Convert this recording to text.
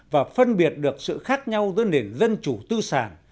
và phân biệt được sự khác nhau giữa nền dân chủ tư sản